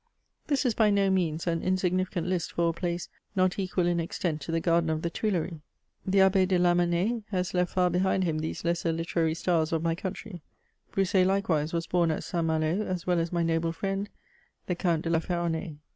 This is by no means an insignificant hst for a place, not equal in extent to the garden of the Tuileries. The Abb^ de Lamen nais has left far behind him these lesser Hterary stars of my country ; Broussais likewise was bom at St. Malo, as well as my noble friend the Count de la Ferronnays.